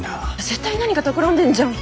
絶対何かたくらんでんじゃん。